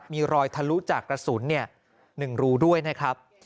มีรอยทะลุจากกระสุน๑รูด้วยนะครับ